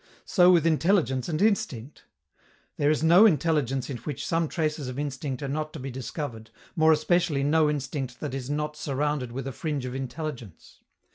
So with intelligence and instinct. There is no intelligence in which some traces of instinct are not to be discovered, more especially no instinct that is not surrounded with a fringe of intelligence.